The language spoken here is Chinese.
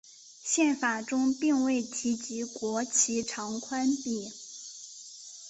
宪法中并未提及国旗长宽比。